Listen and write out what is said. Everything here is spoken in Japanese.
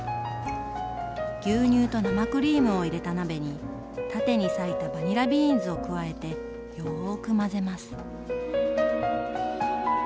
牛乳と生クリームを入れた鍋に縦に割いたバニラビーンズを加えてよく混ぜます。